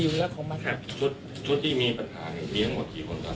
อยู่แล้วของมันชุดชุดที่มีประธาห์เนี้ยมีทั้งหมด